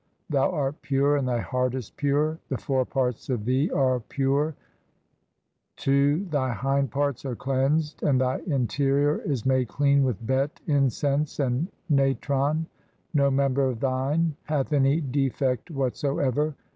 "Thou art pure, and thy heart is pure. The fore "parts of thee are pure, (2) thy hind parts are cleansed, "and thy interior is made clean with bet incense and "natron ; no member of thine hath any defect what "soever.